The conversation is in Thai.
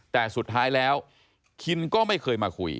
แต่สุดท้ายแล้วคินก็ไม่เคยมาคุย